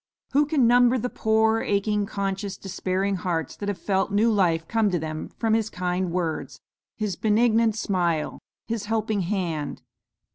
Who can number the poor, aching, conscious, despairing hearts that have felt new life come to them from his kind words, his benignant smile, his helping hand.